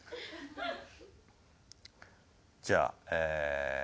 じゃあええ